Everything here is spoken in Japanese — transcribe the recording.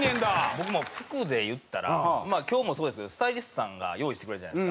僕も服でいったら今日もそうですけどスタイリストさんが用意してくれるじゃないですか。